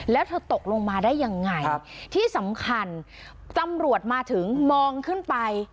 แล้วเธอตกลงมาได้ยังไงที่สำคัญตำรวจมาถึงมองขึ้นไป